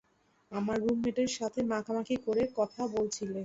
আমার রুম-মেটের সাথে মাখামাখি করে কথা বলছিলে।